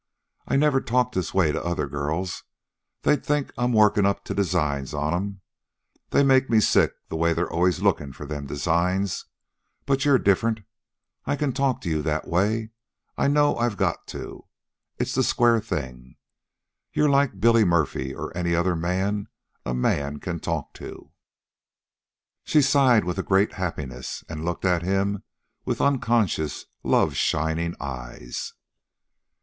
"I never talk this way to other girls. They'd think I'm workin up to designs on 'em. They make me sick the way they're always lookin' for them designs. But you're different. I can talk to you that way. I know I've got to. It's the square thing. You're like Billy Murphy, or any other man a man can talk to." She sighed with a great happiness, and looked at him with unconscious, love shining eyes.